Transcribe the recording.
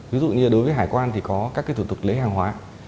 ví dụ như đối với hải quan thì có các cái thủ tục lấy hàng hóa